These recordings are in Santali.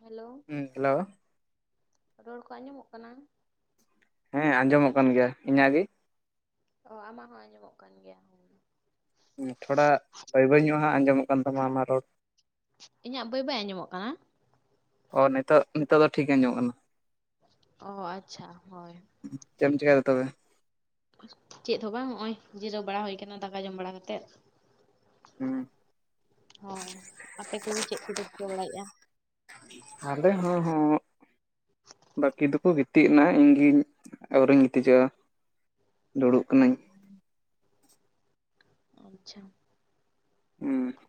ᱦᱮᱞᱳ᱾ ᱦᱩᱸ ᱦᱮᱞᱳ᱾ ᱨᱚᱲ ᱠᱚ ᱟᱸᱡᱚᱢᱚᱜ ᱠᱟᱱᱟ᱾ ᱦᱮᱸ ᱟᱸᱡᱚᱢᱚᱜ ᱠᱟᱱ ᱜᱮᱭᱟ᱾ ᱤᱧᱟᱹᱜ ᱜᱤ? ᱚ ᱟᱢᱟᱜ ᱦᱚᱸ ᱟᱸᱡᱚᱢᱚᱜ ᱠᱟᱱ ᱜᱮᱭᱟ ᱡᱳᱭ᱾ ᱛᱷᱚᱲᱟ ᱵᱟᱹᱭ ᱵᱟᱹᱭ ᱧᱚᱜᱼᱟ ᱦᱟᱸᱜ ᱟᱸᱡᱚᱢᱚᱜ ᱠᱟᱱ ᱛᱟᱢᱟ ᱟᱢᱟᱜ ᱨᱚᱲ᱾ ᱤᱧᱟᱹᱜ ᱵᱟᱹᱭ ᱵᱟᱹᱭ ᱟᱸᱡᱚᱢᱚᱜ ᱠᱟᱱᱟ? ᱚ ᱱᱤᱛᱚᱜ ᱱᱤᱛᱚᱜ ᱫᱚ ᱴᱷᱤᱠ ᱜᱮ ᱟᱸᱡᱚᱢᱚᱜ ᱠᱟᱱᱟ᱾ ᱚ ᱟᱪᱪᱷᱟ ᱦᱳᱭ᱾ ᱪᱮᱫ ᱮᱢ ᱪᱤᱠᱟᱭᱫᱟ ᱛᱚᱵᱮ? ᱪᱮᱫ ᱦᱚᱸ ᱵᱟᱝ ᱱᱚᱜᱼᱚᱭ ᱡᱤᱨᱟᱹᱣ ᱵᱟᱲᱟ ᱦᱩᱭ ᱠᱟᱱᱟ ᱫᱟᱠᱟ ᱡᱚᱢ ᱵᱟᱲᱟ ᱠᱟᱛᱮᱫ᱾ ᱦᱩᱸ ᱦᱳᱭ ᱟᱯᱮ ᱠᱚᱜᱮ ᱪᱮᱫ ᱠᱚᱯᱮ ᱪᱤᱠᱟᱹ ᱵᱟᱲᱟᱭᱮᱫᱼᱟ᱾ ᱟᱞᱮ ᱦᱚᱸ ᱦᱚᱸᱜ ᱵᱟᱠᱤ ᱫᱚᱠᱚ ᱜᱤᱛᱼᱼ ᱜᱤᱛᱤᱡ ᱮᱱᱟ ᱤᱧᱜᱮᱧ ᱟᱹᱣᱨᱤᱧ ᱜᱤᱛᱤᱡᱚᱜᱼᱟ ᱫᱩᱲᱩᱵ ᱠᱟᱱᱟᱹᱧ᱾ ᱟᱪᱪᱷᱟ ᱾ ᱦᱩᱸ ᱾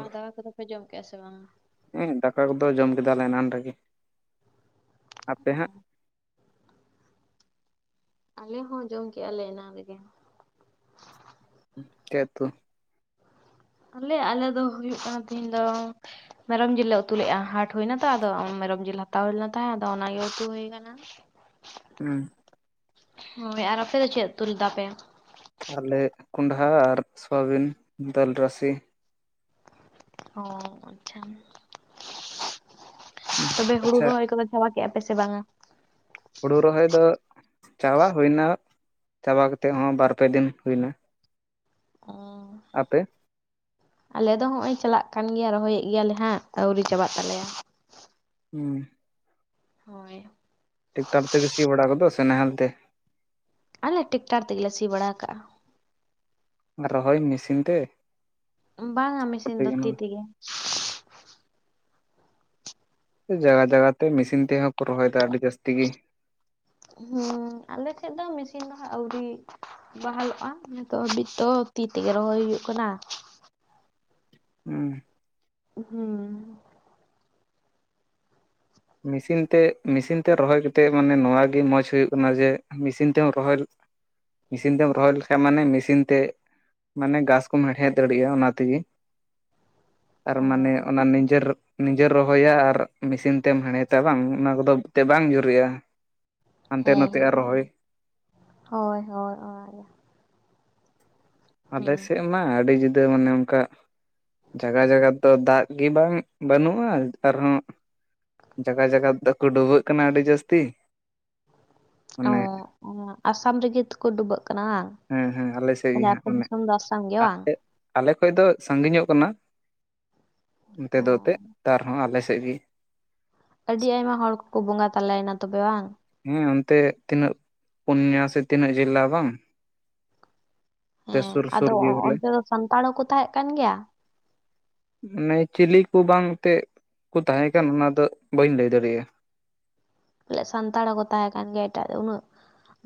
ᱟᱨ ᱫᱟᱠᱟ ᱠᱚᱫᱚ ᱯᱮ ᱡᱚᱢ ᱠᱮᱜᱼᱟ ᱥᱮ ᱵᱟᱝᱟ? ᱦᱮᱸ ᱫᱟᱠᱟ ᱠᱚᱫᱚ ᱡᱚᱢ ᱠᱮᱫᱟᱞᱮ ᱮᱱᱟᱱ ᱨᱮᱜᱮ, ᱟᱯᱮ ᱚ ᱦᱟᱸᱜ? ᱟᱞᱮ ᱦᱚᱸ ᱡᱚᱢ ᱠᱮᱜᱼᱟ ᱞᱮ ᱮᱱᱟ ᱨᱮᱜᱮ᱾ ᱪᱮᱫ ᱩᱛᱩ? ᱟᱞᱮ ᱟᱞᱮ ᱫᱚ ᱦᱩᱭᱩᱜ ᱠᱟᱱ ᱛᱤᱦᱤᱧ ᱫᱚ ᱢᱮᱨᱚᱢ ᱡᱤᱞ ᱞᱮ ᱩᱛᱩ ᱞᱮᱜᱼᱟ ᱦᱟᱴ ᱦᱩᱭᱱᱟ ᱛᱚ ᱟᱫᱚ ᱢᱮᱨᱚᱢ ᱡᱤᱞ ᱦᱟᱛᱟᱣ ᱦᱩᱭ ᱞᱮᱱ ᱛᱟᱦᱮᱸ ᱟᱫᱚ ᱚᱱᱟᱜᱮ ᱩᱛᱩ ᱦᱩᱭ ᱠᱟᱱᱟ᱾ ᱦᱩᱸ ᱾ ᱦᱳᱭ ᱟᱨ ᱟᱯᱮ ᱫᱚ ᱪᱮᱫ ᱩᱛᱩ ᱞᱮᱫᱟ ᱯᱮ? ᱟᱞᱮ ᱠᱚᱸᱰᱦᱟ ᱟᱨ ᱥᱳᱣᱟᱵᱤᱱ ᱫᱟᱹᱞ ᱨᱟᱥᱮ᱾ ᱚ ᱟᱪᱪᱷᱟ ᱛᱚᱵᱮ ᱦᱩᱲᱩ ᱟᱪᱪᱷᱟ ᱨᱚᱦᱚᱭ ᱠᱚᱫᱚ ᱪᱟᱵᱟ ᱠᱮᱜᱼᱟ ᱯᱮ ᱥᱮ ᱵᱟᱝᱟ ᱾ ᱦᱳᱲᱩ ᱨᱚᱦᱚᱭ ᱫᱚ ᱪᱟᱵᱟ ᱦᱩᱭᱱᱟ ᱪᱟᱵᱟ ᱠᱟᱛᱮ ᱦᱚᱜᱚᱭ ᱵᱟᱨᱯᱮ ᱫᱤᱱ ᱦᱩᱭ ᱮᱱᱟ ᱾ ᱚ ᱾ ᱟᱯᱮ? ᱟᱞᱮ ᱫᱚ ᱦᱚᱜᱼᱚᱭ ᱪᱟᱞᱟᱜ ᱠᱟᱱ ᱜᱮᱭᱟ ᱨᱚᱦᱚᱭᱮᱫ ᱜᱮᱭᱟᱞᱮ ᱦᱟᱸᱜ ᱟᱹᱣᱨᱤ ᱪᱟᱵᱟᱜ ᱛᱟᱞᱮᱭᱟ᱾ ᱦᱩᱸ ᱾ ᱦᱳᱭ ᱾ ᱴᱮᱠᱴᱟᱨ ᱛᱮᱜᱮ ᱥᱤ ᱵᱟᱲᱟ ᱠᱚᱫᱚ ᱥᱮ ᱱᱟᱦᱮᱞ ᱛᱮ? ᱟᱞᱮ ᱴᱮᱠᱴᱟᱨ ᱛᱮᱜᱮ ᱞᱮ ᱥᱤ ᱵᱟᱲᱟ ᱠᱟᱜᱼᱟ ᱾ ᱨᱚᱦᱚᱭ ᱢᱮᱥᱤᱱ ᱛᱮ ᱵᱟᱝᱟ ᱢᱮᱥᱤᱱ ᱫᱚ ᱛᱤ ᱡᱟᱭᱜᱟ ᱛᱮᱜᱮ ᱾ ᱡᱟᱭᱜᱟ ᱡᱟᱭᱜᱟ ᱛᱮ ᱢᱮᱥᱤᱱ ᱛᱮᱦᱚᱸ ᱠᱚ ᱨᱚᱦᱚᱭᱮᱫᱟ ᱟᱹᱰᱤ ᱡᱟᱹᱥᱛᱤ ᱜᱮ᱾ ᱦᱩᱸ ᱟᱞᱮ ᱴᱷᱮᱡ ᱫᱚ ᱢᱮᱥᱤᱱ ᱫᱚ ᱦᱟᱸᱜ ᱟᱹᱣᱨᱤ᱾ ᱵᱟᱦᱟᱞᱚᱜᱼᱟ ᱱᱤᱛᱚᱜ ᱦᱟᱹᱵᱤᱡ ᱛᱚ ᱛᱤ ᱛᱮᱜᱮ ᱨᱚᱦᱚᱭ ᱦᱩᱭᱩᱜ ᱠᱟᱱᱟ ᱾ ᱦᱩᱸ ᱾ ᱦᱩᱸ ᱾ ᱢᱮᱥᱤᱱ ᱛᱮ ᱢᱮᱥᱤᱱ ᱛᱮ ᱨᱚᱦᱚᱭ ᱠᱟᱛᱮᱜ ᱢᱟᱱᱮ ᱱᱚᱣᱟᱜᱮ ᱢᱚᱸᱡᱽ ᱦᱩᱭᱩᱜ ᱠᱟᱱᱟ ᱡᱮ ᱢᱮᱥᱤᱱ ᱛᱮᱦᱚ ᱨᱚᱦᱚᱭ ᱢᱮᱥᱤᱱ ᱛᱮᱢ ᱨᱚᱦᱚᱭ ᱞᱮᱠᱷᱟᱡ ᱢᱟᱱᱮ ᱢᱮᱥᱤᱱ ᱛᱮ ᱢᱟᱱᱮ ᱜᱷᱟᱥ ᱠᱚᱢ ᱦᱮᱲᱦᱮᱫ ᱫᱟᱲᱤᱜᱼᱟ ᱚᱱᱟ ᱛᱮᱜᱮ ᱾ ᱟᱨ ᱚ ᱢᱟᱱᱮ ᱚᱱᱟ ᱱᱤᱡᱮᱨ ᱱᱤᱡᱮᱨ ᱨᱚᱦᱚᱭᱟ ᱟᱨ ᱢᱮᱥᱤᱱ ᱛᱮᱢ ᱦᱮᱲᱦᱮᱫᱼᱟ ᱵᱟᱝ ᱚᱱᱟ ᱠᱚᱫᱚ ᱛᱮ ᱵᱟᱝ ᱡᱩᱨᱤᱜᱼᱟ ᱾ ᱦᱮᱸ ᱦᱮᱸ ᱦᱳᱭ ᱦᱳᱭ ᱚᱱᱟᱜᱮ ᱟᱞᱮ ᱦᱩᱸ ᱥᱮᱜ ᱢᱟ ᱟᱹᱰᱤ ᱡᱩᱫᱟᱹ ᱢᱟᱱᱮ ᱚᱱᱠᱟ ᱡᱟᱜᱟ ᱡᱟᱜᱟ ᱛᱚ ᱫᱟᱜ ᱜᱮ ᱵᱟᱝ ᱵᱟᱹᱱᱩᱜᱼᱟ ᱟᱨᱦᱚᱸ ᱡᱟᱜᱟ ᱡᱟᱜᱟ ᱫᱚᱠᱚ ᱰᱩᱵᱟᱹᱜ ᱠᱟᱱᱟ ᱟᱰᱤ ᱡᱟᱹᱥᱛᱤ ᱾ ᱚ ᱚ ᱟᱥᱟᱢ ᱨᱮᱜᱮ ᱛᱮᱠᱚ ᱰᱩᱵᱟᱹᱜ ᱠᱟᱱᱟ ᱦᱟᱝ᱾ ᱦᱮᱸ ᱦᱮᱸ ᱟᱞᱮ ᱥᱮᱜ ᱜᱮ ᱦᱟᱸᱜ ᱢᱮᱱᱮᱜ ᱜᱮ ᱵᱟᱝ? ᱟᱞᱮ ᱠᱷᱚᱡ ᱫᱚ ᱥᱟᱺᱜᱤᱧᱚᱜ ᱠᱟᱱᱟ ᱚᱱᱛᱮ ᱚ ᱫᱚ ᱮᱱᱛᱮᱫ ᱟᱨᱦᱚᱸ ᱟᱞᱮ ᱥᱮᱜ ᱜᱤ ᱟᱹᱰᱤ ᱟᱭᱢᱟ ᱦᱚᱲ ᱠᱚᱠᱚ ᱵᱚᱸᱜᱟ ᱛᱟᱞᱟᱭᱮᱱᱟ ᱛᱚᱵᱮ ᱵᱟᱝ? ᱦᱮᱸ ᱚᱱᱛᱮ ᱛᱤᱱᱟᱹᱜ ᱯᱩᱱᱭᱟ ᱥᱮ ᱛᱤᱱᱟᱹᱜ ᱡᱤᱞᱟ ᱵᱟᱝ ᱛᱮ ᱦᱮᱸ ᱥᱩᱨ ᱥᱩᱨ ᱟᱫᱚ ᱜᱮ ᱵᱚᱞᱮ ᱚᱱᱛᱮ ᱫᱚ ᱥᱟᱱᱛᱟᱲ ᱦᱚᱸᱠᱚ ᱛᱟᱦᱮᱸᱜ ᱠᱟᱱ ᱜᱮᱭᱟ? ᱢᱟᱱᱮ ᱪᱤᱞᱤ ᱠᱩ ᱵᱟᱝ ᱛᱮᱜ ᱠᱩ ᱛᱟᱦᱮᱸ ᱠᱟᱱ ᱚᱱᱟ ᱫᱚ ᱵᱟᱹᱧ ᱞᱟᱹᱭ ᱫᱟᱲᱤᱜᱼᱟ᱾ ᱞᱮᱜ ᱥᱟᱱᱛᱟᱲ ᱦᱚᱸᱠᱚ ᱛᱟᱦᱮᱸ ᱠᱟᱱ ᱜᱮᱭᱟ ᱮᱴᱟᱜ ᱫᱚ ᱩᱱᱟᱹᱜ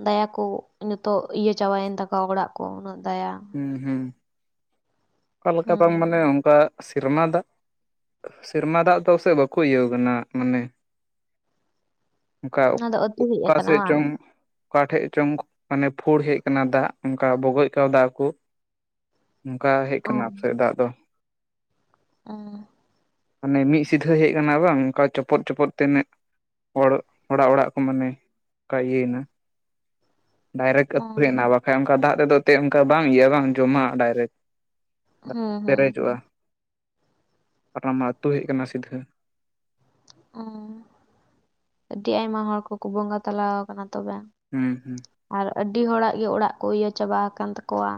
ᱫᱟᱭᱟ ᱠᱚ ᱱᱤᱛᱚᱜ ᱤᱭᱟᱹ ᱪᱟᱵᱟᱭᱮᱱ ᱛᱟᱠᱚᱣᱟ ᱚᱲᱟᱜ ᱠᱚ ᱩᱱᱟᱹᱜ ᱫᱟᱭᱟ ᱾ ᱦᱩᱸ ᱦᱩᱸ ᱾ ᱚᱠᱟ ᱞᱮᱠᱟ ᱵᱟᱝ ᱦᱩᱸ ᱢᱟᱱᱮ ᱚᱝᱠᱟ ᱥᱮᱨᱢᱟ ᱫᱟᱜ ᱾ ᱥᱮᱨᱢᱟ ᱫᱟᱜ ᱫᱚ ᱥᱮ ᱵᱟᱹᱠᱩ ᱤᱭᱟᱹᱣ ᱠᱟᱱᱟ ᱢᱟᱱᱮ ᱚᱝᱠᱟ ᱚᱱᱟ ᱫᱚ [inaudible] ᱟᱹᱛᱩ ᱦᱮᱡ ᱚᱠᱟ ᱟᱠᱟᱱᱟ ᱥᱮᱜ ᱵᱟᱝ ᱪᱚᱝ ᱾ ᱚᱠᱟ ᱴᱷᱮᱡ ᱪᱚᱝ ᱢᱟᱱᱮ ᱯᱷᱩᱲ ᱦᱮᱡ ᱠᱟᱱᱟ ᱫᱟᱜ ᱩᱝᱠᱟ ᱵᱚᱜᱚᱡ ᱠᱟᱣ ᱫᱟ ᱠᱩ ᱾ ᱱᱩᱝᱠᱟ ᱦᱮᱡ ᱚ ᱠᱟᱱᱟ ᱟᱯᱮᱥᱮᱜ ᱫᱟᱜ ᱫᱚ᱾ ᱚ᱾ ᱢᱟᱱᱮ ᱢᱤᱜ ᱥᱤᱫᱷᱟᱹ ᱦᱮᱡ ᱠᱟᱱᱟ ᱵᱟᱝ ᱚᱱᱠᱟ ᱪᱚᱯᱚᱫ ᱪᱚᱯᱚᱫ ᱛᱤᱱᱟᱹᱜ ᱾ ᱦᱚᱲ ᱦᱚᱲᱟᱜ ᱚᱲᱟᱜ ᱠᱚ ᱢᱟᱱᱮ ᱠᱟ ᱤᱭᱟᱹᱭᱱᱟ ᱾ ᱰᱟᱭᱨᱮᱠᱴ ᱚ ᱟᱹᱛᱩ ᱦᱮᱡ ᱱᱟ ᱵᱟᱠᱷᱟᱡ ᱚᱱᱠᱟ ᱫᱟᱜ ᱨᱮᱫᱚ ᱛᱮ ᱚᱝᱠᱟ ᱵᱟᱝ ᱤᱭᱟᱹ ᱵᱟᱝ ᱡᱚᱢᱟᱜᱼᱟ ᱰᱟᱭᱨᱮᱠ᱾ ᱫᱟᱜ ᱦᱩᱸ ᱦᱩᱸ ᱦᱩᱸ ᱯᱮᱨᱮᱡᱚᱜᱼᱟ [inaudible] ᱟᱨ ᱢᱟ ᱟᱹᱛᱩ ᱦᱮᱡ ᱠᱟᱱᱟ ᱥᱤᱫᱷᱟᱹ᱾ [inaudible] ᱟᱹᱰᱤ ᱟᱭᱢᱟ ᱦᱚᱲ ᱠᱚᱠᱚ ᱵᱚᱸᱜᱟ ᱛᱟᱞᱟᱣ ᱠᱟᱱᱟ ᱛᱚᱵᱮ᱾ ᱦᱩᱸ ᱦᱩᱸ᱾ ᱟᱨ ᱟᱹᱰᱤ ᱦᱚᱲᱟᱜ ᱜᱮ ᱚᱲᱟᱜ ᱠᱚ ᱤᱭᱟᱹ ᱪᱟᱵᱟ ᱟᱠᱟᱱ ᱛᱟᱠᱚᱣᱟ᱾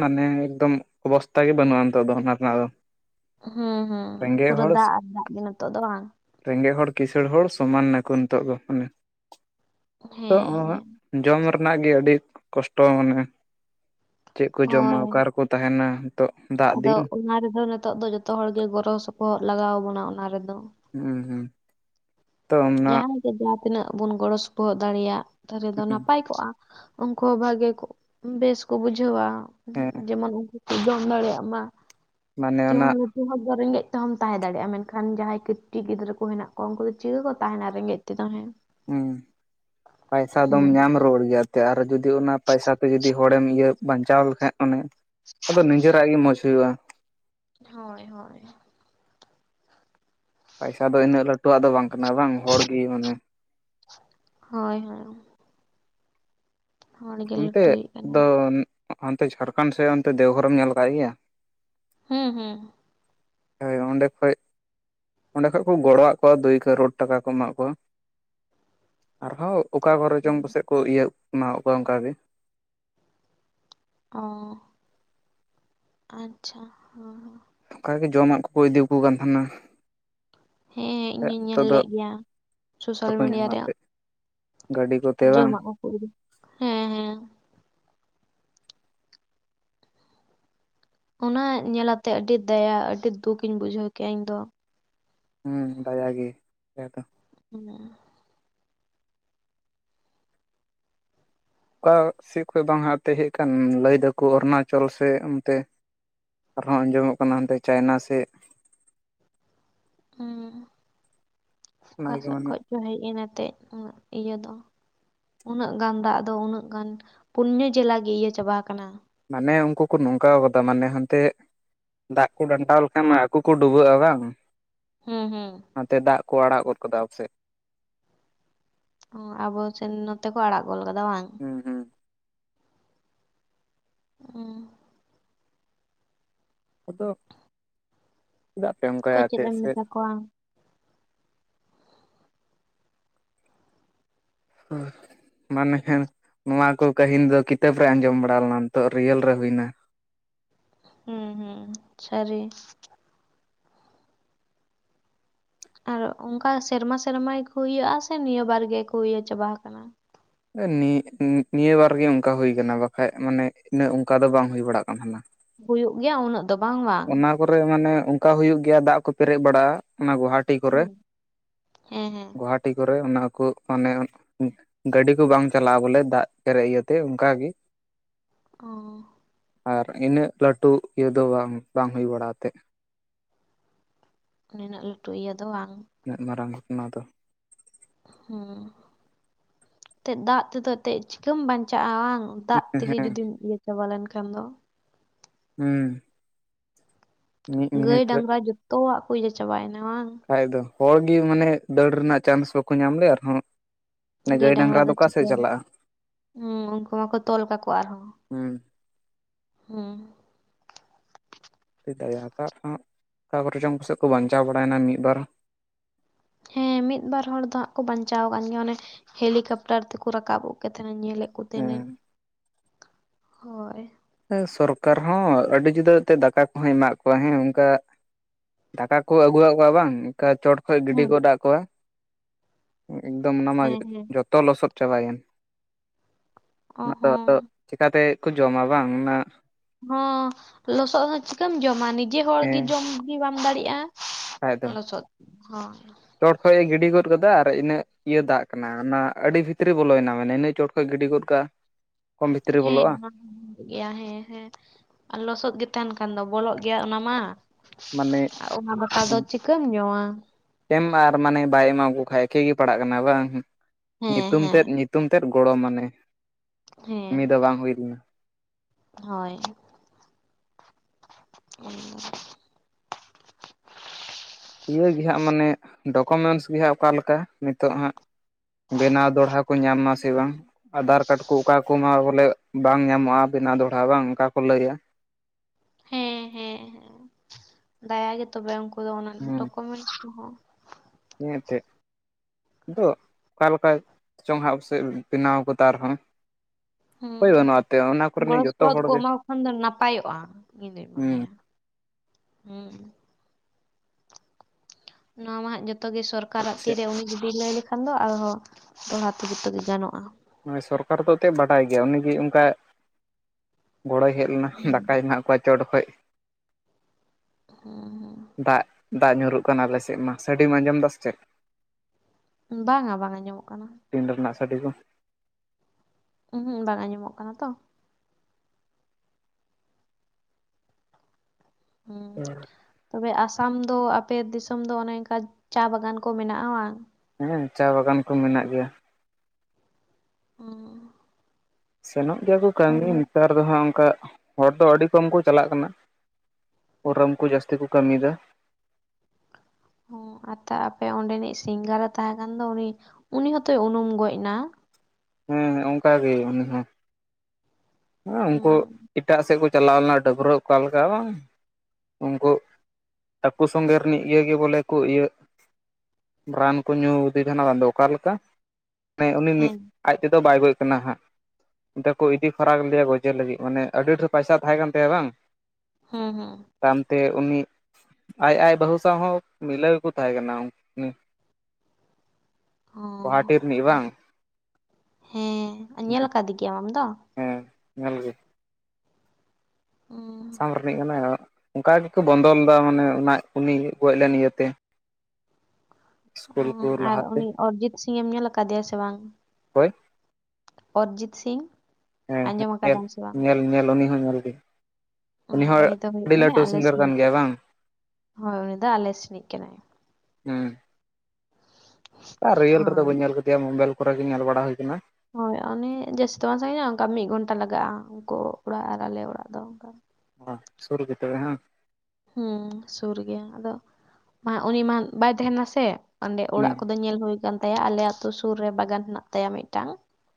ᱢᱟᱱᱮ ᱮᱠᱫᱚᱢ ᱚᱵᱚᱥᱛᱟ ᱜᱮ ᱵᱟᱹᱱᱩᱜᱼᱟ [unintelligible] ᱫᱚ ᱚᱱᱟ ᱨᱮᱱᱟᱜ ᱫᱚ᱾ ᱦᱩᱸ ᱦᱩᱸ ᱨᱮᱸᱜᱮᱡ ᱯᱩᱨᱟᱹ ᱦᱚᱲ ᱫᱟᱜ ᱟᱨ ᱫᱟᱜ ᱜᱮ ᱱᱤᱛᱚᱜ ᱫᱚ ᱵᱟᱝ᱾ ᱨᱮᱸᱜᱮᱡ ᱦᱚᱲ ᱠᱤᱸᱥᱟᱹᱲ ᱦᱚᱲ ᱥᱚᱢᱟᱱ ᱱᱟᱠᱚ ᱱᱤᱛᱚᱜ ᱫᱚ ᱢᱟᱱᱮ [inaudible] ᱛᱚᱜ ᱦᱮᱸ ᱦᱚᱸ᱾ ᱦᱮᱸ ᱡᱚᱢ ᱨᱮᱱᱟᱜ ᱜᱮ ᱟᱹᱰᱤ ᱠᱚᱥᱴᱚ ᱢᱟᱱᱮ ᱪᱮᱜ ᱠᱚ ᱡᱚᱢᱟ ᱦᱳᱭ ᱚᱠᱟ ᱨᱮᱠᱚ ᱛᱟᱦᱮᱱᱟ? ᱱᱤᱛᱚᱜ ᱫᱟᱜ ᱟᱫᱚ ᱫᱤᱱ ᱚᱱᱟ ᱨᱮᱫᱚ ᱱᱤᱛᱚᱜ ᱫᱚ ᱡᱚᱛᱚ ᱦᱚᱲᱜᱮ ᱜᱚᱲᱚ ᱥᱚᱯᱚᱦᱚᱫ ᱞᱟᱜᱟᱣ ᱟᱵᱚᱱᱟ ᱚᱱᱟ ᱨᱮᱫᱚ᱾ ᱦᱩᱸ ᱦᱩᱸ᱾ ᱛᱚ ᱚᱱᱟ ᱡᱟᱸᱦᱟᱭ ᱜᱮ ᱡᱟᱸᱦᱟ ᱛᱤᱱᱟᱹᱜ ᱵᱚᱱ ᱜᱚᱲᱚ ᱥᱚᱯᱚᱦᱚᱫ ᱫᱟᱲᱮᱭᱟᱜ ᱛᱟᱦᱞᱮ ᱫᱚ ᱦᱮᱸ ᱱᱟᱯᱟᱭ ᱠᱚᱜᱼᱟ᱾ ᱩᱱᱠᱳ ᱦᱚᱸ ᱵᱷᱟᱜᱮ ᱠᱚᱜ ᱵᱮᱥ ᱠᱚ ᱵᱩᱡᱷᱟᱹᱣᱟ ᱡᱮᱢᱚᱱ ᱩᱱᱠᱩ ᱡᱚᱢ ᱫᱟᱲᱮᱭᱟᱜ ᱢᱟ ᱢᱟᱱᱮ ᱚᱱᱟ ᱡᱮᱢᱚᱱ ᱱᱩᱠ ᱴᱩ ᱦᱚᱲ ᱫᱚ ᱨᱮᱸᱜᱮᱡ ᱛᱮᱦᱚᱢ ᱛᱟᱸᱦᱮ ᱫᱟᱲᱮᱜᱼᱟ ᱢᱮᱱᱠᱷᱟᱱ ᱡᱟᱸᱦᱟᱭ ᱠᱟᱹᱴᱤᱡ ᱜᱤᱫᱽᱨᱟᱹ ᱠᱚ ᱦᱮᱱᱟᱜ ᱠᱚᱣᱟ ᱩᱱᱠᱩ ᱫᱚ ᱪᱤᱠᱟᱹ ᱜᱚᱫ ᱛᱟᱦᱮᱱᱟ ᱨᱮᱸᱜᱮᱡ ᱛᱮᱫᱚ ᱦᱮᱸ? ᱦᱩᱸ ᱯᱟᱭᱥᱟ ᱫᱚᱢ ᱦᱩᱸ ᱧᱟᱢ ᱨᱩᱣᱟᱹᱲ ᱜᱮᱭᱟ ᱮᱛᱮ ᱟᱨ ᱡᱩᱫ ᱛᱤ ᱚᱱᱟ ᱯᱟᱭᱥᱟ ᱛᱮ ᱡᱩᱫᱤ ᱦᱚᱲᱮᱢ ᱤᱭᱟᱹ ᱵᱟᱧᱪᱟᱣ ᱞᱮᱠᱷᱟᱡ ᱚᱱᱮ ᱟᱫᱚ ᱱᱤᱡᱮᱨᱟᱜ ᱜᱮ ᱢᱚᱸᱡᱽ ᱦᱩᱭᱩᱜᱼᱟ᱾ ᱦᱚᱭ ᱦᱚᱭ᱾ ᱯᱟᱭᱥᱟ ᱫᱚ ᱤᱱᱟᱹᱜ ᱞᱟᱹᱴᱩᱣᱟᱜ ᱫᱚ ᱵᱟᱝ ᱠᱟᱱᱟ ᱵᱟᱝ ᱦᱚᱲ ᱜᱤ ᱢᱟᱱᱮ ᱦᱳᱭ ᱦᱳᱭ ᱾ ᱚᱱᱛᱮ ᱞᱟᱹᱴᱩᱭᱤᱡ ᱠᱟᱱᱟᱭ ᱫᱚ ᱟᱱᱛᱮ ᱡᱷᱟᱨᱠᱷᱚᱸᱱᱰ ᱥᱮ ᱚᱱᱛᱮ ᱫᱮᱣᱜᱷᱚᱨᱚᱢ ᱧᱮᱞ ᱠᱟᱜ ᱜᱮᱭᱟ? ᱦᱮᱸ ᱦᱩᱸ᱾ ᱦᱳᱭ ᱚᱸᱰᱮ ᱠᱷᱚᱡ ᱚᱸᱰᱮ ᱠᱷᱚᱡ ᱠᱚ ᱜᱚᱲᱚ ᱭᱟᱜ ᱠᱟᱣᱟ ᱫᱩᱭ ᱠᱟᱨᱳᱲ ᱴᱟᱠᱟ ᱠᱚ ᱮᱢᱟᱜ ᱠᱚᱣᱟ ᱟᱨᱦᱚᱸ ᱚᱠᱟ ᱠᱚ ᱨᱮᱪᱚᱝ ᱯᱟᱥᱮᱜ ᱠᱚ ᱤᱭᱟᱹᱜ ᱱᱟ ᱚᱠᱟ ᱚᱝᱠᱟ ᱜᱮ᱾ ᱚᱻ ᱟᱪᱪᱷᱟ ᱦᱚᱸ᱾ ᱚᱱᱠᱟ ᱜᱮ ᱡᱚᱢᱟᱜ ᱠᱚᱠᱚ ᱤᱫᱤ ᱠᱩ ᱠᱟᱱ ᱛᱷᱟᱱᱟ ᱾ ᱦᱮᱸ ᱤᱧᱤᱧ ᱧᱮᱞ ᱫᱚ ᱞᱮᱫ ᱜᱮᱭᱟ ᱥᱳᱥᱟᱞ ᱢᱤᱰᱤᱭᱟ ᱨᱮᱭᱚᱜ᱾ ᱜᱟᱹᱰᱤᱠ᱾ ᱡᱚᱢᱟᱜ ᱠᱚ ᱠᱚ ᱤᱫᱤ ᱦᱮᱸ ᱦᱮᱸ ᱚᱱᱟ ᱧᱮᱞ ᱟᱛᱮ ᱟᱹᱰᱤ ᱫᱟᱭᱟ ᱟᱹᱰᱤ ᱫᱩᱠᱤᱧ ᱵᱩᱡᱷᱟᱹᱣ ᱠᱮᱜᱼᱟ ᱤᱧ ᱫᱚ᱾ ᱦᱩᱸ ᱫᱟᱭᱟ ᱜᱮ ᱮᱠᱫᱚᱢ ᱾ ᱢᱮᱱᱟᱜ-ᱟ ᱾ ᱚᱠᱟ ᱥᱮᱫ ᱠᱷᱚᱡ ᱵᱟᱝ ᱦᱟᱸᱜ ᱚᱛᱮ ᱦᱮᱡ ᱠᱟᱱ ᱞᱟᱹᱭ ᱫᱟᱠᱚ ᱚᱨᱩᱱᱟᱪᱚᱞ ᱥᱮ ᱚᱱᱛᱮ ᱟᱨᱦᱚᱸ ᱟᱸᱡᱚᱢᱚᱜ ᱠᱟᱱᱟ ᱚᱱᱛᱮ ᱪᱟᱭᱱᱟ ᱥᱮᱜ ᱾ ᱦᱩᱸ ᱚᱠᱟ ᱚᱱᱟᱜᱮ ᱥᱮᱜ ᱢᱟᱱᱮ ᱠᱷᱚᱡ ᱪᱚ ᱦᱮᱡ ᱮᱱᱟ ᱮᱛᱮᱜ ᱩᱱᱟᱹᱜ ᱤᱭᱟᱹ ᱫᱚ ᱾ ᱩᱱᱟᱹᱜ ᱜᱟᱱ ᱫᱟᱜ ᱫᱚ ᱩᱱᱟᱹᱜ ᱜᱟᱱ ᱯᱩᱱᱧᱟᱹ ᱡᱮᱞᱟ ᱜᱮ ᱤᱭᱟᱹ ᱪᱟᱵᱟ ᱟᱠᱟᱱᱟ ᱾ ᱢᱟᱱᱮ ᱩᱱᱠᱩ ᱠᱚ ᱱᱚᱝᱠᱟᱣ ᱠᱟᱫᱟ ᱢᱟᱱᱮ ᱦᱟᱱᱛᱮ ᱫᱟᱜ ᱠᱩ ᱰᱟᱱᱴᱟᱣ ᱞᱮᱠᱷᱟᱱ ᱢᱟ ᱟᱹᱠᱩ ᱠᱚ ᱰᱩᱵᱟᱹᱜᱼᱟ ᱵᱟᱝ? ᱦᱩᱸ ᱦᱩᱸ ᱚᱱᱟᱛᱮ ᱫᱟᱜ ᱠᱩ ᱟᱲᱟᱜ ᱜᱚᱫ ᱠᱟᱫᱟ ᱟᱵᱥᱮᱜ ᱾ ᱚ ᱟᱵᱚ ᱥᱮᱱ ᱱᱚᱛᱮ ᱠᱚ ᱟᱲᱟᱜ ᱜᱚᱞ ᱠᱟᱫᱟ ᱵᱟᱝ? ᱦᱩᱸ ᱦᱩᱸ ᱩᱸ ᱟᱫᱚ ᱪᱮᱫᱟᱜ ᱯᱮ ᱚᱱᱠᱟᱭᱟ ᱚᱠᱚᱭ ᱪᱮᱫ ᱟᱛᱮᱜ ᱥᱮ [unintelligible] ᱦᱳᱭ ᱢᱟᱱᱮ ᱦᱮᱸ ᱱᱚᱣᱟ ᱠᱚ ᱠᱟᱹᱦᱤᱱ ᱫᱚ ᱠᱤᱛᱟᱹᱵ ᱨᱮ ᱟᱸᱡᱚᱢ ᱵᱟᱲᱟ ᱞᱮᱱᱟ ᱱᱤᱛᱚᱜ ᱨᱤᱭᱮᱞ ᱨᱮ ᱦᱩᱭᱱᱟ ᱾ ᱦᱩᱸ ᱦᱩᱸ ᱥᱟᱹᱨᱤ ᱾ ᱟᱨ ᱚᱱᱠᱟ ᱥᱮᱨᱢᱟ ᱥᱮᱨᱢᱟ ᱜᱮᱠᱚ ᱤᱭᱟᱹᱜ-ᱟ ᱥᱮ ᱱᱤᱭᱟᱹ ᱵᱟᱨ ᱜᱮᱠᱚ ᱤᱭᱟᱹ ᱪᱟᱵᱟ ᱟᱠᱟᱱᱟ ᱾ ᱱᱤᱜ ᱱᱤ ᱱᱤᱭᱟᱹ ᱵᱟᱨ ᱜᱮ ᱚᱱᱠᱟ ᱦᱩᱭ ᱠᱟᱱᱟ ᱵᱟᱠᱷᱟᱡ ᱢᱟᱱᱮ ᱤᱱᱟᱹᱜ ᱚᱱᱠᱟ ᱫᱚ ᱵᱟᱝ ᱦᱩᱭ ᱵᱟᱲᱟᱜ ᱠᱟᱱ ᱛᱟᱦᱮᱱᱟ ᱾ ᱦᱩᱭᱩᱜ ᱜᱮᱭᱟ ᱩᱱᱟᱹᱜ ᱫᱚ ᱵᱟᱝ ᱵᱟᱝ ᱾ ᱯᱚᱨᱮ ᱢᱟᱱᱮ ᱚᱱᱠᱟ ᱦᱩᱭᱩᱜ ᱜᱮᱭᱟ ᱫᱟᱜ ᱠᱚ ᱯᱮᱨᱮᱡ ᱵᱟᱲᱟᱜᱼᱟ ᱚᱱᱟ ᱜᱷᱟᱴ ᱴᱤ ᱠᱚᱨᱮ ᱦᱩᱸ ᱦᱮᱸ ᱦᱮᱸ ᱜᱚᱦᱟᱴᱤ ᱠᱚᱨᱮ ᱚᱱᱟ ᱠᱚ ᱚᱱᱮ [unintelligible] ᱜᱟᱹᱰᱤ ᱠᱚ ᱵᱟᱝ ᱪᱟᱞᱟᱜᱼᱟ ᱵᱚᱞᱮ ᱫᱟᱜ ᱯᱮᱨᱮᱡ ᱤᱭᱟᱹᱛᱮ ᱚᱱᱠᱟ ᱜᱤ ᱾ ᱚ ᱟᱨ ᱤᱱᱟᱹᱜ ᱞᱟᱹᱴᱩ ᱤᱭᱟᱹ ᱫᱚ ᱵᱟᱝ ᱵᱟᱝ ᱦᱩᱭ ᱵᱟᱲᱟ ᱟᱛᱮᱜ ᱾ ᱱᱤᱱᱟᱹᱜ ᱞᱟᱹᱴᱩ ᱤᱭᱟᱹ ᱫᱚ ᱵᱟᱝ ᱾ [unintelligible] ᱢᱟᱨᱟᱝ ᱚᱱᱟ ᱫᱚ ᱾ ᱦᱮᱸ ᱮᱛᱮᱫ ᱫᱟᱜ ᱛᱮᱫᱚ ᱮᱛᱮᱫ ᱪᱤᱠᱟᱹᱢ ᱵᱟᱧᱪᱟᱜᱼᱟ ᱵᱟᱝ? ᱫᱟᱜ ᱛᱮᱜᱮ ᱦᱮᱸ ᱡᱩᱫᱤᱢ ᱤᱭᱟᱹ ᱪᱟᱵᱟ ᱞᱮᱱᱠᱷᱟᱱ ᱫᱚ ᱾ ᱦᱩᱸ ᱢᱤᱫ ᱜᱟᱹᱭ ᱢᱤᱱᱤᱴ ᱨᱮ ᱰᱟᱝᱨᱟ ᱡᱚᱛᱚᱣᱟᱜ ᱠᱚ ᱤᱭᱟᱹ ᱪᱟᱵᱟᱭ ᱮᱱᱟ ᱵᱟᱝ? ᱠᱷᱟᱡ ᱫᱚ, ᱦᱚᱲ ᱜᱮ ᱢᱟᱱᱮ ᱫᱟᱹᱲ ᱨᱮᱱᱟᱜ ᱪᱟᱱᱥ ᱵᱟᱠᱚ ᱧᱟᱢ ᱞᱮᱭᱟ ᱟᱨᱦᱚᱸ ᱜᱟᱹᱭ ᱰᱟᱝᱨᱟ ᱫᱚ ᱪᱤᱠᱟᱹᱭᱟᱭ ᱩᱸ ᱩᱱᱠᱩ ᱢᱟᱠᱚ ᱛᱚᱞ ᱠᱟᱠᱚ ᱟᱨᱦᱚᱸ, ᱦᱩᱸᱼᱼ ᱦᱩᱸ [unintelligible] ᱠᱟ ᱠᱚᱨ ᱪᱚᱝ ᱠᱚᱥᱮᱡ ᱠᱚ ᱵᱟᱧᱪᱟᱣ ᱵᱟᱲᱟᱭ ᱮᱱᱟ ᱢᱤᱫᱵᱟᱨ ᱦᱮᱸ ᱢᱤᱫ ᱵᱟᱨ ᱦᱚᱲ ᱫᱚ ᱦᱟᱸᱜ ᱠᱚ ᱵᱟᱧᱪᱟᱣ ᱠᱟᱱ ᱜᱮᱭᱟ᱾ ᱚᱱᱮ ᱦᱮᱞᱤᱠᱮᱯᱴᱟᱨ ᱛᱮᱠᱚ ᱨᱟᱠᱟᱵᱚᱜ [unintelligible] ᱧᱮᱞᱮ ᱠᱚ ᱦᱮᱸ ᱛᱟᱦᱮᱱᱟᱹᱧ᱾ ᱦᱳᱭ᱾ ᱦᱟᱹ ᱥᱚᱨᱠᱟᱨ ᱦᱚᱸ ᱟᱹᱰᱤ ᱡᱩᱫᱟᱹ ᱮᱛᱮᱫ ᱫᱟᱠᱟ ᱠᱚ ᱦᱚᱸᱭ ᱮᱢᱟᱜ ᱠᱚᱣᱟ ᱦᱮᱸ ᱚᱱᱠᱟ ᱫᱟᱠᱟ ᱠᱚ ᱟᱹᱜᱩᱣᱟᱜ ᱠᱚᱣᱟ ᱵᱟᱝ ᱚᱱᱠᱟ ᱪᱚᱴ ᱠᱷᱚᱡ ᱜᱤᱰᱤ ᱦᱩᱸ ᱜᱚᱰᱟᱜ ᱠᱚᱣᱟ ᱾ ᱮᱠᱫᱚᱢ ᱚᱱᱟᱢᱟ ᱦᱮᱸ ᱡᱚ ᱦᱮᱸ ᱡᱚᱛᱚ ᱞᱚᱥᱚᱫ ᱪᱟᱵᱟᱭᱮᱱ ᱚ ᱚᱱᱟ ᱫᱚ ᱟᱫᱚ ᱦᱚᱸ ᱪᱤᱠᱟᱛᱮ ᱠᱚ ᱡᱚᱢᱟ ᱵᱟᱝ ᱚᱱᱟ ᱦᱚᱸ ᱞᱚᱥᱚᱫ ᱦᱚᱸ ᱪᱤᱠᱟᱹᱢ ᱡᱚᱢᱟ, ᱱᱤᱡᱮ ᱦᱚᱲᱜᱮ ᱦᱮᱸ ᱡᱚᱢ ᱜᱮ ᱵᱟᱢ ᱫᱟᱲᱮᱭᱟᱜᱼᱟ᱾ ᱠᱷᱟᱡ ᱫᱚ ᱞᱚᱥᱚᱫ ᱦᱩᱸ᱾ ᱪᱚᱴ ᱠᱷᱚᱡ ᱮ ᱜᱤᱰᱤ ᱜᱚᱫ ᱠᱟᱫᱟ ᱟᱨ ᱤᱱᱟᱹᱜ ᱤᱭᱟᱹ ᱫᱟᱜ ᱠᱟᱱᱟ᱾ ᱚᱱᱟ ᱟᱹᱰᱤ ᱵᱷᱤᱛᱨᱤ ᱵᱚᱞᱚᱭ ᱮᱱᱟ ᱢᱟᱱᱮ ᱤᱱᱟᱹᱜ ᱪᱚᱴ ᱜᱤᱰᱤ ᱜᱚᱫ ᱠᱟᱜᱼᱟ᱾ ᱠᱚᱢ ᱵᱷᱤᱛᱨᱤ ᱦᱮᱸ ᱵᱚᱞᱚᱜᱼᱟ ᱜᱮᱭᱟ, ᱦᱮᱸ ᱦᱮᱸ ᱟᱨ ᱞᱚᱥᱚᱫ ᱜᱮ ᱛᱟᱦᱮᱱ ᱠᱷᱟᱱ ᱫᱚ ᱵᱚᱞᱚᱜ ᱜᱮᱭᱟ ᱚᱱᱟ ᱢᱟ᱾ ᱢᱟᱱᱮ ᱚᱱᱟ ᱫᱟᱠᱟ ᱫᱚ ᱪᱤᱠᱟᱹᱢ ᱡᱚᱢᱟ᱾ ᱮᱢ ᱟᱨ ᱢᱟᱱᱮ ᱵᱟᱭ ᱮᱢᱟᱠᱚ ᱠᱷᱟᱱ ᱮᱠᱮ ᱜᱮ ᱯᱟᱲᱟᱜ ᱠᱟᱱᱟ᱾ ᱵᱟᱝ ᱦᱮᱸ ᱧᱩᱛᱩᱢ ᱦᱮᱸ ᱛᱮᱫ ᱧᱤᱛᱩᱢ ᱛᱮᱫ ᱜᱚᱲ ᱢᱟᱱᱮ᱾ ᱠᱟᱹᱢᱤ ᱦᱮᱸ, ᱫᱚ ᱵᱟᱝ ᱦᱩᱭ ᱞᱮᱱᱟ ᱦᱳᱭ᱾ [unintelligible] ᱤᱭᱟᱹ ᱜᱮ ᱦᱟᱸᱜ ᱢᱟᱱᱮ, ᱰᱚᱠᱳᱢᱮᱱᱥ ᱜᱮᱦᱟᱸᱜ ᱚᱠᱟ ᱞᱮᱠᱟ, ᱱᱤᱛᱚᱜ ᱦᱟᱸ᱾ ᱵᱮᱱᱟᱣ ᱫᱚᱲᱦᱟ ᱠᱚ ᱧᱟᱢ ᱢᱟ ᱥᱮ ᱵᱟᱝ? ᱟᱫᱷᱟᱨ ᱠᱟᱨᱰ ᱠᱚ ᱚᱠᱟ ᱠᱚᱢᱟ ᱵᱚᱞᱮ ᱵᱟᱝ ᱧᱟᱢᱚᱜᱼᱟ ᱵᱮᱱᱟᱣ ᱫᱚᱦᱟ ᱵᱟᱝ ᱚᱱᱠᱟ ᱠᱚ ᱞᱟᱹᱭᱟ᱾ ᱦᱮᱸ ᱦᱮᱸ, ᱫᱟᱭᱟ ᱜᱮ ᱛᱚᱵᱮ ᱩᱱᱠᱩ ᱫᱚ ᱚᱱᱟ ᱰᱚᱠᱢᱮᱱᱴ ᱠᱚᱦᱚᱸ ᱱᱤᱦᱟᱹ ᱛᱮ᱾ ᱱᱤᱛᱳᱜ ᱚᱠᱟᱞᱮᱠᱟ ᱪᱚᱝ ᱦᱟ ᱩᱥᱟᱹᱫ ᱵᱮᱱᱟᱣ ᱟᱠᱟᱫᱟ ᱟᱨᱦᱚᱸ᱾ ᱩᱯᱟᱹᱭ ᱵᱟᱹᱱᱩᱜᱼᱟ ᱮᱱᱛᱮ ᱚᱱᱟ ᱦᱮᱸ᱾ ᱠᱚᱨᱮᱱᱤᱡ ᱡᱚᱛᱚ ᱜᱚᱲᱚᱥᱚᱯᱚᱦᱚᱫ ᱦᱚᱲ ᱠᱚ ᱜᱮ ᱮᱢᱟᱠᱚ ᱠᱷᱟᱱ ᱫᱚ ᱱᱟᱯᱟᱭᱚᱜᱼᱟ᱾ ᱤᱧ ᱫᱩᱧ ᱦᱩᱸ ᱢᱚᱱᱮᱭᱟ᱾ ᱦᱩᱸ᱾ ᱱᱚᱣᱟ ᱢᱟᱜ ᱡᱚᱛᱚ ᱜᱮ ᱥᱚᱨ ᱠᱟᱨᱟᱜ ᱟᱞᱮᱥᱮᱫ ᱛᱤᱨᱮ, ᱩᱱᱤ ᱡᱩᱫᱤᱭ ᱞᱟᱹᱭ ᱞᱮᱠᱷᱟᱱ ᱫᱚ ᱟᱨᱦᱚᱸ ᱫᱚᱲᱦᱲᱟ ᱛᱮ ᱡᱚᱛᱚ ᱜᱮ ᱜᱟᱱᱚᱜᱼᱟ᱾ ᱢᱟᱱᱮ ᱥᱚᱨᱠᱟᱨ ᱫᱚ ᱛᱮᱫ ᱵᱟᱰᱟᱭ ᱜᱮᱭᱟ᱾ ᱩᱱᱤᱜᱮ ᱚᱱᱠᱟ ᱜᱚᱲᱚᱭ ᱦᱮᱪ ᱫᱟᱠᱟᱭ ᱮᱢᱟᱭ ᱠᱚᱣᱟ ᱪᱚᱴ ᱠᱷᱚᱡ᱾ ᱦᱩᱸᱻ ᱫᱟᱜ, ᱫᱟᱜ ᱧᱩᱨᱩᱜ ᱠᱟᱱᱟ ᱟᱞᱮᱥᱮᱫ ᱢᱟ ᱥᱟᱰᱮᱢ ᱟᱸᱡᱚᱢ ᱫᱟ ᱥᱮᱪᱮᱫ? ᱵᱟᱝᱟ ᱵᱟᱝ ᱟᱸᱡᱚᱢᱚᱜ ᱠᱟᱱᱟ᱾ ᱛᱤᱱ ᱰᱚᱠ ᱨᱮᱱᱟᱜ ᱥᱟᱰᱮ ᱠᱚ᱾ ᱩᱸᱦᱩ ᱵᱟᱝ ᱟᱸᱡᱚᱢᱚᱜ ᱠᱟᱱᱟ ᱛᱚ᱾ ᱦᱩᱸ᱾ ᱛᱚᱵᱮ ᱟᱥᱟᱢ ᱫᱚ ᱟᱯᱮ ᱫᱤᱥᱚᱢ ᱫᱚ ᱚᱱᱮ ᱚᱱᱠᱟ ᱪᱟ ᱵᱟᱜᱟᱱ ᱠᱚ ᱢᱮᱱᱟᱜᱼᱟ ᱵᱟᱝ? ᱦᱮᱸ ᱪᱟ ᱵᱟᱜᱟᱱ ᱠᱚ ᱢᱮᱱᱟᱜ ᱜᱮᱭᱟ᱾ ᱚᱻ ᱥᱮᱱᱚᱜ ᱜᱮᱭᱟ ᱠᱚ ᱠᱟᱹᱢᱤ ᱱᱮᱛᱟᱨ ᱫᱚ ᱦᱟᱸᱜ ᱚᱱᱠᱟ, ᱦᱚᱲ ᱫᱚ ᱟᱹᱵᱤᱱ ᱠᱚᱢ ᱠᱚ ᱪᱟᱞᱟᱜ ᱠᱟᱱᱟ᱾ ᱯᱩᱨᱟᱹᱢ ᱠᱚ ᱡᱟᱹᱥᱛᱤ ᱠᱚ ᱠᱟᱹᱢᱤᱭᱮᱫᱟ᱾ ᱦᱩᱸ, ᱟᱛᱟ ᱟᱯᱮ ᱚᱸᱰᱮᱱᱤᱡ ᱥᱤᱝᱜᱟᱨ ᱮ ᱛᱟᱦᱮᱸ ᱠᱟᱱ ᱫᱚ ᱩᱱᱤ ᱩᱱᱤ ᱦᱚᱸᱛᱚᱭ ᱩᱱᱩᱢ ᱜᱚᱡ ᱮᱱᱟ᱾ ᱦᱮᱸ ᱚᱱᱠᱟᱜ ᱜᱮ ᱩᱱᱤ ᱦᱚ᱾ ᱩᱱᱠᱩ ᱦᱩᱸ ᱮᱴᱟᱜ ᱥᱮᱫ ᱠᱚ ᱪᱟᱞᱟᱣ ᱞᱮᱱᱟ ᱰᱟᱹᱵᱽᱨᱟᱹᱜ ᱚᱠᱟᱮᱠᱟ ᱵᱟᱝ? ᱩᱱᱠᱩ ᱟᱠᱩ ᱥᱚᱸᱜᱮ ᱨᱤᱱᱤᱡ ᱤᱭᱟᱹ ᱜᱮ ᱵᱚᱞᱮ ᱠᱚ ᱤᱭᱟᱹ ᱨᱟᱱ ᱠᱚ ᱧᱩ ᱟᱫᱮ ᱛᱟᱦᱮᱸᱱᱟ ᱵᱟᱸᱫᱚ ᱚᱠᱟᱞᱮᱠᱟ ᱢᱟᱱᱮ ᱩᱱᱤ ᱱᱤ ᱦᱮᱸ ᱫᱚ ᱵᱟᱭ ᱜᱚᱡ ᱟᱠᱟᱱᱟ ᱦᱟᱸᱜ᱾ ᱚᱱᱛᱮ ᱠᱚ ᱤᱫᱤ ᱯᱷᱟᱨᱟᱠ ᱞᱮᱫᱮᱭᱟ ᱜᱚᱡᱮ ᱞᱟᱹᱜᱤᱫ᱾ ᱢᱟᱱᱮ ᱟᱹᱰᱤ ᱰᱷᱮᱨ ᱯᱟᱭᱥᱟ ᱛᱟᱦᱮᱸ ᱠᱟᱱ ᱛᱟᱭᱟ ᱵᱟᱝ᱾ ᱦᱩᱸ ᱦᱩᱸ᱾ ᱛᱟᱭᱚᱢᱛᱮ ᱩᱱᱤ ᱟᱡ ᱟᱡ ᱵᱟᱹᱦᱩ ᱥᱟᱶ ᱦᱚᱸ ᱢᱤᱞᱟᱹᱣ ᱜᱮᱠᱚ ᱛᱟᱦᱮᱸ ᱠᱟᱱᱟ ᱩᱝᱠ ᱩᱱᱤ᱾ [inaudible] ᱚ, ᱜᱳᱦᱟᱴᱤ ᱨᱤᱱᱤᱡ ᱵᱟᱝ ᱦᱮᱸ, ᱧᱮᱞ ᱟᱠᱟᱫᱮ ᱜᱮᱭᱟᱢ ᱟᱢ ᱫᱚ? ᱦᱮᱸ, ᱧᱮᱞ ᱜᱮ᱾ ᱦᱩᱸ᱾ ᱟᱥᱟᱢ ᱨᱤᱱᱤᱡ ᱠᱟᱱᱟᱭ ᱚᱱᱠᱟ ᱜᱮᱠᱚ ᱵᱚᱱᱚᱫᱚ ᱞᱮᱫᱟ ᱢᱟᱱᱮ ᱚᱱᱟ ᱩᱱᱤᱭ ᱜᱚᱡ ᱞᱮᱱ ᱤᱭᱟᱹᱛᱮ᱾ [inaudible] ᱤᱥᱠᱩᱞ ᱠᱚ ᱚᱸ ᱟᱨ ᱞᱟᱦᱟᱛᱮ ᱩᱱᱤ ᱚᱨᱤᱡᱤᱛ ᱥᱤᱝᱮᱢ ᱧᱮᱞ ᱠᱟᱫᱮᱭᱟ ᱥᱮ ᱵᱟᱝ? ᱚᱠᱚᱭ ᱚᱨᱡᱤᱛ ᱥᱤᱝ ᱦᱮᱸ ᱟᱸᱡᱚᱢ ᱦᱮᱸ ᱟᱠᱟᱫᱟᱢ ᱥᱮ ᱵᱟᱝ? ᱧᱮᱞ, ᱧᱮᱞ ᱧᱮᱞ ᱩᱱᱤ ᱦᱚᱸ ᱧᱮᱞ ᱜᱮ᱾ ᱚ ᱦᱚᱸ ᱩᱱᱤ ᱫᱚ ᱦᱩᱭᱩᱜ ᱟᱹᱰᱤ ᱠᱟᱱᱟᱭ ᱞᱟᱹᱴᱩ ᱥᱤᱝᱜᱟᱨ ᱠᱟᱱ ᱟᱞᱮᱥᱤᱱᱤᱡ ᱜᱮᱭᱟᱭ ᱵᱟᱝ ᱦᱳᱭ ᱩᱱᱤ ᱫᱚ ᱟᱞᱮᱥᱤᱱᱤᱡ ᱠᱟᱱᱟᱭ᱾ ᱦᱩᱸ ᱟ ᱨᱤᱭᱮᱞ ᱨᱮᱫᱚ ᱦᱳᱭ ᱵᱟᱹᱧ ᱧᱮᱞ ᱠᱟᱫᱮᱭᱟ ᱢᱳᱵᱟᱭᱤᱞ ᱠᱚᱨᱮ ᱜᱮ ᱧᱮᱞ ᱵᱟᱲᱟ ᱦᱩᱭ ᱠᱟᱱᱟ᱾ ᱦᱳᱭ ᱚᱱᱮ ᱡᱟᱹᱥᱛᱤ ᱫᱚ ᱵᱟᱝ ᱥᱟᱺᱜᱤᱧᱟ ᱚᱱᱠᱟ ᱢᱤᱫ ᱜᱷᱚᱱᱴᱟ ᱞᱟᱜᱟᱜ-ᱟ ᱩᱱᱠᱩ ᱚᱲᱟᱜ ᱟᱨ ᱟᱞᱮ ᱚᱲᱟᱜ ᱫᱚ ᱚᱱᱠᱟ᱾ ᱚ ᱥᱩᱨ ᱜᱮ ᱛᱚᱵᱮ ᱦᱟᱝ? ᱦᱩᱸ, ᱥᱩᱨ ᱜᱮᱭᱟ ᱟᱫᱚ, ᱢᱟ ᱩᱱᱤ ᱢᱟ ᱵᱟᱭ ᱛᱟᱦᱮᱱᱟ ᱥᱮ᱾ ᱟᱰᱮ ᱦᱩᱸ ᱚᱲᱟᱜ ᱠᱚᱫᱚ ᱧᱮᱞ ᱦᱩᱭ ᱠᱟᱱ ᱛᱟᱭᱟ ᱟᱞᱮ ᱟᱛᱳ ᱥᱩᱨ ᱨᱮ ᱵᱟᱜᱟᱱ ᱦᱮᱱᱟᱜᱮ ᱛᱟᱭᱟ ᱢᱤᱫᱴᱟᱝ᱾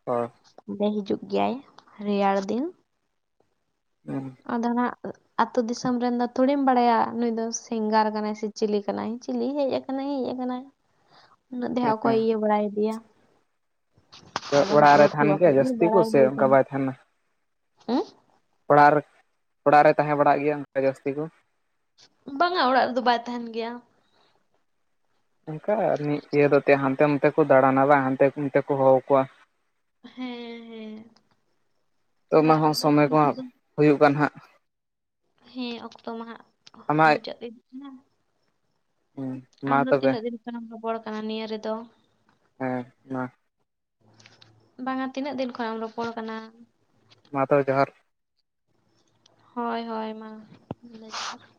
ᱦᱳᱭ᱾ ᱱᱚᱰᱮ ᱦᱤᱡᱩᱜ ᱜᱮᱭᱟᱭ ᱨᱮᱭᱟᱲ ᱫᱤᱱ᱾ ᱦᱩᱸ ᱟᱫᱚ ᱱᱟᱜ ᱟᱛᱳ ᱫᱤᱥᱚᱢ ᱨᱮᱱ ᱫᱚ ᱛᱷᱚᱲᱮᱢ ᱵᱟᱲᱟᱭᱟ ᱱᱩᱭ ᱫᱚ ᱥᱤᱝᱜᱟᱨ ᱠᱟᱱᱟᱭ ᱥᱮ ᱪᱤᱞᱤ ᱠᱟᱱᱟᱭ ᱪᱤᱞᱤ ᱦᱮᱡ ᱟᱠ ᱦᱮᱸᱡ ᱟᱠᱟᱱᱟᱭ᱾ [unintelligible] ᱩᱱᱟᱹᱜ ᱫᱚᱦᱟᱸᱜ ᱚᱠᱚᱭ ᱦᱮᱸ ᱤᱭᱟᱹ ᱵᱟᱲᱟᱭ ᱫᱤᱭᱟ᱾ ᱟᱫᱚ ᱚᱲᱟᱜ ᱦᱟᱸᱜ ᱨᱮ ᱞᱮ ᱛᱟᱦᱮᱱ ᱛᱷᱚᱲᱟ ᱜᱮᱭᱟ ᱠᱷᱟᱡ ᱜᱮ ᱡᱟᱹᱥᱛᱤ ᱠᱚ ᱵᱟᱲᱟᱭ ᱥᱮ ᱤᱫᱤᱭ ᱚᱱᱠᱟ ᱠᱟᱱᱟ᱾ ᱵᱟᱭ ᱛᱟᱦᱮᱱᱟ ᱩᱸ ᱚᱲᱟᱜ ᱨᱮ ᱛᱟᱦᱮᱸ ᱵᱟᱲᱟᱜ ᱜᱮᱭᱟ ᱚᱱᱠᱟ ᱡᱟᱹᱥᱛᱤ ᱠᱚ? ᱵᱟᱝᱟ ᱚᱲᱟᱜ ᱨᱮᱫᱚ ᱵᱟᱭ ᱛᱟᱦᱮᱱ ᱜᱤᱭᱟ᱾ ᱚᱱᱠᱟ ᱟᱨ ᱢᱤᱫ ᱤᱭᱟᱹ ᱫᱚ ᱛᱮ ᱦᱟᱱᱛᱮ ᱱᱟᱛᱮ ᱠᱚ ᱫᱟᱬᱟᱱᱟ ᱦᱟᱱᱛᱮ ᱱᱟᱛᱮ ᱠᱚ ᱦᱚᱦᱚ ᱟᱠᱚᱣᱟ᱾ ᱦᱮᱸ ᱦᱮᱸ᱾ ᱛᱚᱱᱟ ᱚᱲᱟᱜ ᱦᱚᱸ ᱨᱮᱫᱚ ᱥᱚᱢᱚᱭ ᱠᱚ ᱚᱲᱟᱜ ᱦᱟᱸᱜ ᱫᱚ ᱦᱩᱭᱩᱜ ᱠᱟᱱ ᱦᱟᱸᱜ᱾ ᱦᱮᱸ ᱚᱠᱛᱚ ᱢᱟ ᱦᱟᱸᱜ ᱟᱢᱟᱜ ᱢᱩᱪᱟᱹᱫ ᱫᱤ ᱱᱟ᱾ ᱦᱩᱭ ᱟᱢ ᱫᱚ ᱛᱤᱱᱟᱹᱜ ᱫᱤᱱ ᱠᱷᱚᱱᱮᱢ ᱨᱚᱯᱚᱲ ᱠᱟᱱᱟ ᱱᱤᱭᱟᱹ ᱨᱮᱫᱚ? ᱦᱮᱸ ᱢᱟ ᱵᱟᱝᱟ ᱛᱤᱱᱟᱹᱜ ᱫᱤᱱ ᱠᱷᱚᱱᱟᱜ ᱮᱢ ᱨᱚᱯᱚᱲ ᱠᱟᱱᱟ? ᱢᱟ ᱛᱚᱵᱮ ᱡᱚᱦᱟᱨ᱾ ᱦᱳᱭ ᱦᱳᱭ ᱢᱟ [unintelligible]